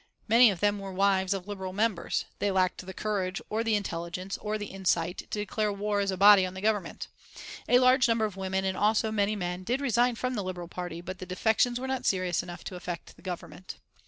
Many of them were wives of Liberal members. They lacked the courage, or the intelligence, or the insight, to declare war as a body on the Government. A large number of women, and also many men, did resign from the Liberal Party, but the defections were not serious enough to affect the Government.